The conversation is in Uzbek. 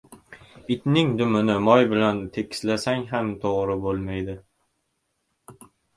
• Itning dumini moy bilan tekislasang ham to‘g‘ri bo‘lmaydi.